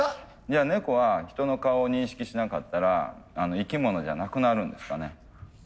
じゃあ猫は人の顔を認識しなかったら生き物じゃなくなるんですかね？